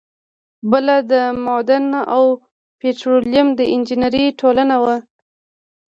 بله د معدن او پیټرولیم د انجینری ټولنه وه.